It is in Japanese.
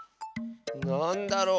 なんだろう。